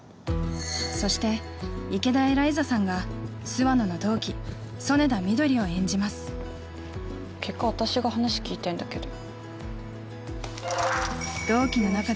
そして池田エライザさんが諏訪野の同期曽根田みどりを演じます結果私が話聞いてんだけど。